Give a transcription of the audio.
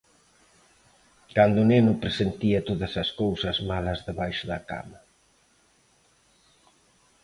Cando neno presentía todas as cousas malas debaixo da cama.